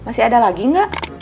masih ada lagi nggak